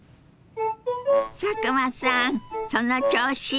佐久間さんその調子！